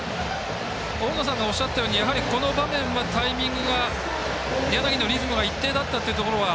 大野さんがおっしゃったようにこの場面はタイミングが柳のリズムが一定だったというところは。